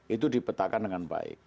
itu dipetakan dengan baik